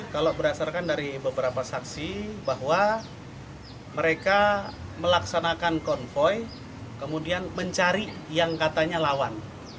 kalau berdasarkan dari beberapa saksi bahwa mereka melaksanakan konvoy kemudian mencari yang katanya lawan